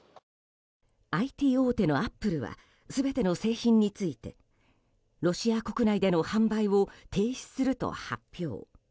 ＩＴ大手のアップルは全ての製品についてロシア国内での販売を停止すると発表。